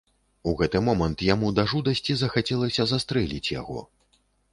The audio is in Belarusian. І ў гэты момант яму да жудасці захацелася застрэліць яго.